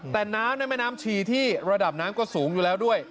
แต่น้ำในแม่น้ำชีที่ระดับน้ำก็สูงอยู่แล้วด้วย